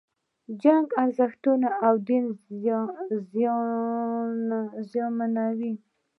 جنگ ارزښتونه او دین زیانمنوي.